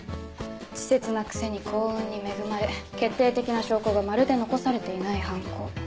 稚拙なくせに幸運に恵まれ決定的な証拠がまるで残されていない犯行。